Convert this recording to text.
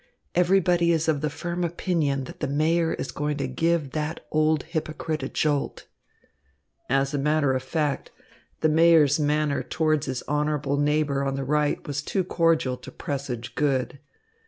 Everybody is of the firm opinion that the Mayor is going to give that old hypocrite a jolt." As a matter of fact, the Mayor's manner toward his honourable neighbour on the right was too cordial to presage good.